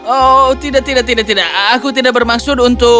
oh tidak tidak tidak aku tidak berhasil